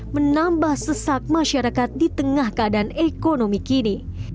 menambah sesak masyarakat di tengah keadaan ekonomi kini